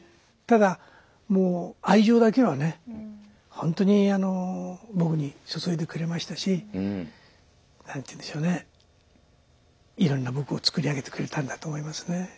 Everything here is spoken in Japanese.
本当に僕に注いでくれましたし何て言うんでしょうねいろんな僕をつくり上げてくれたんだと思いますね。